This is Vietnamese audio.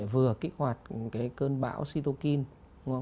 vừa kích hoạt cái cơn bão cytokine